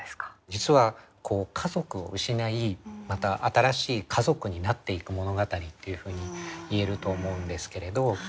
実は家族を失いまた新しい家族になっていく物語というふうに言えると思うんですけれど。